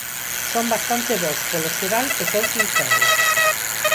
Son bastante bos, polo xeral, e son sinceros.